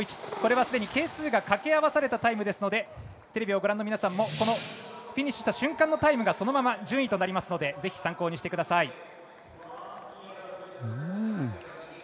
これは係数が掛け合わされたタイムなのでテレビをご覧の皆さんもフィニッシュした瞬間のタイムがそのまま順位となりますのでぜひ、参考にしてください。